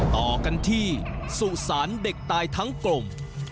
ต่อกันที่สุสานเด็กตายทั้งกลม